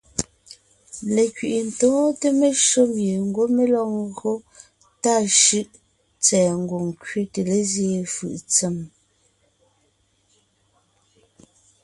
Lekẅi’i tóonte meshÿó mie ńgwɔ́ mé lɔg ńgÿo tà shʉ́ʼ tsɛ̀ɛ ngwòŋ kẅete lézyéen fʉʼ ntsèm.